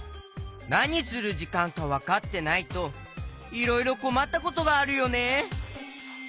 なにするじかんかわかってないといろいろこまったことがあるよね。